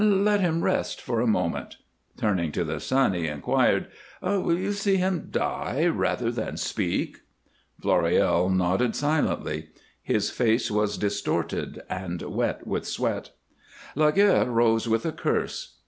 "Let him rest for a moment." Turning to the son he inquired, "Will you see him die rather than speak?" Floréal nodded silently; his face was distorted and wet with sweat. Laguerre rose with a curse.